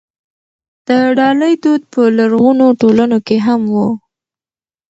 د ډالۍ دود په لرغونو ټولنو کې هم و.